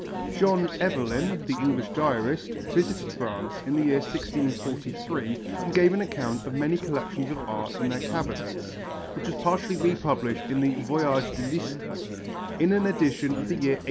John Evelyn, the English diarist, visited France in the year 1643 and gave an account of many collections of art and their cabinets, which was partially republished in the Voyage de Lister, in an edition of the year 1878.